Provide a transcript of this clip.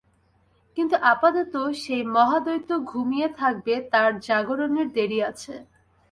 কিন্তু আপাতত সে মহাদৈত্য ঘুমিয়ে থাকবে, তার জাগরণের দেরী আছে।